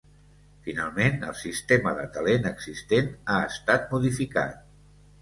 Finalment, el sistema de talent existent ha estat modificat.